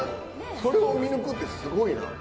それを見抜くってすごいな。